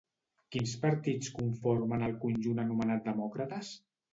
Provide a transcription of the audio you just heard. Quins partits conformen el conjunt anomenat Demòcrates?